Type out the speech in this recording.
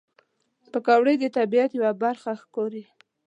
پکورې د طبیعت یوه برخه ښکاري